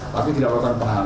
tapi tidak melakukan penahanan